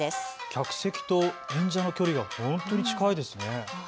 客席と演者の距離が本当に近いですね。